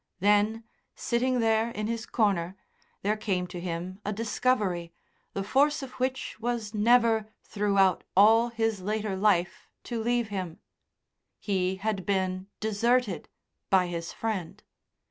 Then, sitting there in his corner, there came to him a discovery, the force of which was never, throughout all his later life, to leave him. He had been deserted by his friend.